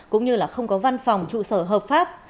cũng như là không có văn phòng trụ sở hợp pháp